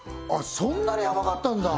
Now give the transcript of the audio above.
そんなにヤバかったんだ！